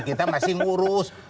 kita masih ngurus